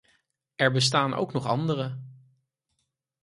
Er bestaan ook nog andere.